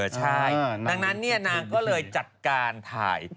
ใช่ดังนั้นนางก็เลยจัดการถ่าย